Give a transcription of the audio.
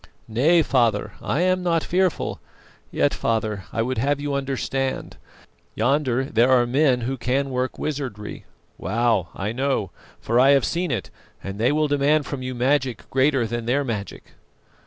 "Nay, father, I am not fearful; yet, father, I would have you understand. Yonder there are men who can work wizardry. Wow! I know, for I have seen it, and they will demand from you magic greater than their magic."